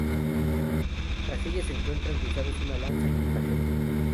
Tras ella se encuentran cruzados una lanza y un flagelo.